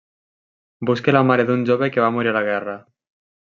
Busca la mare d'un jove que va morir a la guerra.